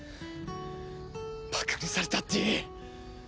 バカにされたっていい。